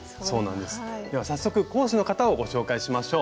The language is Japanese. では早速講師の方をご紹介しましょう。